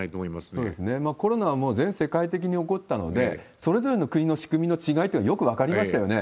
そうですね、コロナはもう全世界的に起こったので、それぞれの国の仕組みの違いというのがよく分かりましたよね。